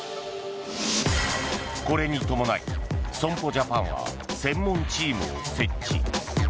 これに伴い、損保ジャパンは専門チームを設置。